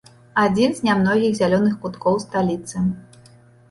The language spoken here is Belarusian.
Адзін з нямногіх зялёных куткоў сталіцы.